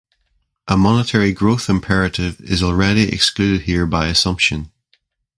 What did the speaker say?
A monetary growth imperative is already excluded here by assumption.